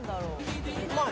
うまい？